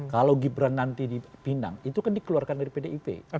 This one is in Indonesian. kalau gibran nanti dipinang itu kan dikeluarkan dari pdip